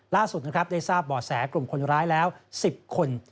ล่าสุดนะครับได้ทราบบ่อแสกลุ่มคนร้ายแล้ว๑๐คน